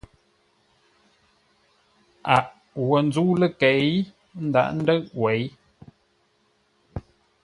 A wô nzə́u ləkei ńdághʼ ńdə̌ʼ wěi.